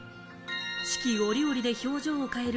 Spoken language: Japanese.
四季折々で表情を変える